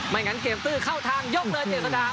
งั้นเกมตื้อเข้าทางยกเลยเจษดา